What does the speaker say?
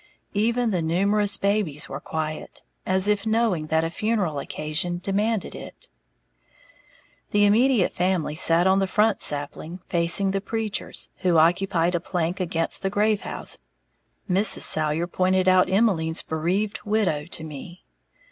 Even the numerous babies were quiet, as if knowing that a funeral occasion demanded it. The immediate family sat on the front sapling, facing the preachers, who occupied a plank against the grave house. Mrs. Salyer pointed out Emmeline's bereaved "widow" to me.